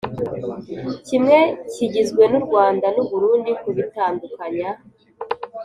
kimwe kigizwe n u Rwanda n u Burundi kubitandukanya